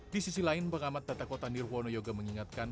di sisi lain pengamat tata kota nirwono yoga mengingatkan